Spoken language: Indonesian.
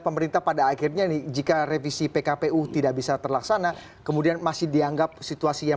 pemerintah pada akhirnya jika revisi pkpu tidak bisa terlaksana kemudian masih dianggap situasi yang